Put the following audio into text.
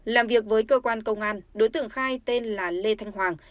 làm việc với cơ quan công an đối tượng khai tên là lê thanh hoàng